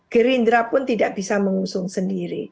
gerindra pun tidak bisa mengusung sendiri